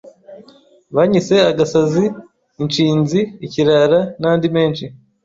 banyise agasazi, inshinzi, ikirara n’andi menshi.